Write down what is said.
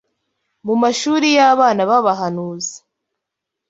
Mu mashuri y’abana b’abahanuzi,